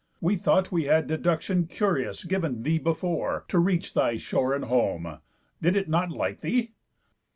We thought we had deduction curious Giv'n thee before, to reach thy shore and home; Did it not like thee?